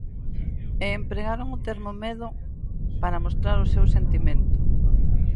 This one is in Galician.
E empregaron o termo medo para mostrar o seu sentimento.